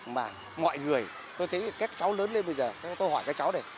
mà mọi người tôi thấy các cháu lớn lên bây giờ tôi hỏi các cháu này